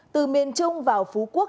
từ miền trung vào phú quốc